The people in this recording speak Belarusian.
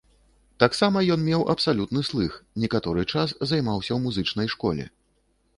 Таксама ён меў абсалютны слых, некаторы час займаўся ў музычнай школе.